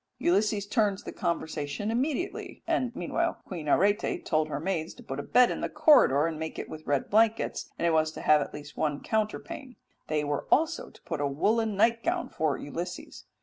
Ulysses turns the conversation immediately, and meanwhile Queen Arete told her maids to put a bed in the corridor, and make it with red blankets, and it was to have at least one counterpane. They were also to put a woollen nightgown for Ulysses.